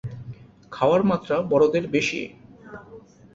খাওয়ার মাত্রা বড়দের বেশি।